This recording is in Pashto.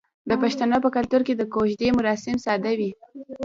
د پښتنو په کلتور کې د کوژدې مراسم ساده وي.